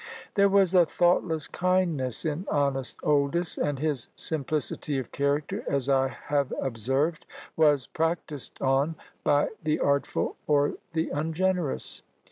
There was a thoughtless kindness in honest Oldys; and his simplicity of character, as I have observed, was practised on by the artful or the ungenerous.